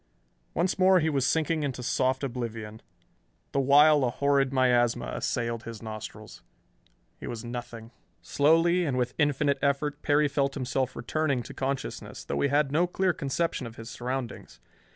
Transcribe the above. Once more he was sinking into soft oblivion, the while a horrid miasma assailed his nostrils. He was nothing.... Slowly, and with infinite effort, Perry felt himself returning to consciousness, though he had no clear conception of his surroundings.